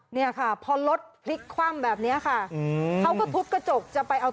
เนี่ยค่ะพอรถพลิกคว่ำแบบนี้ค่ะเขาก็ทุบกระจกจะไปเอา